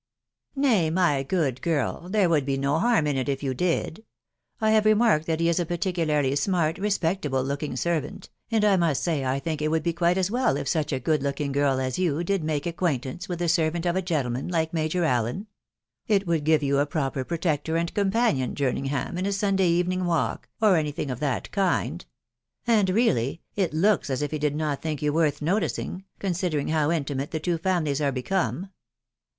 " Nay, my good girl, there would be no harm in it if yon did. I have remarked that he is a particularly smart, respectable looking servant, and I must say I think it weald be quite as well if such a good looking girl as you did make acquaintance with the servant of a gexrtkmwrv \\V& Majpr Allen ; it would pre yon a proper "protect©* wxA cmBgiRtaR&i THE WIDOW BARNABT. $83 Jerningham, in a Sunday evening walk, or any thing of that kind ; and really it looks as if he did not think you worth noticing, considering how intimate the two families are be come."